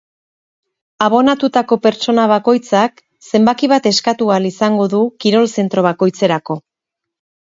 Abonatutako pertsona bakoitzak zenbaki bat eskatu ahal izango du kirol zentro bakoitzerako.